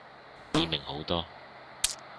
易明好多